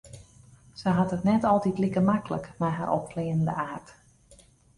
Se hat it net altyd like maklik mei har opfleanende aard.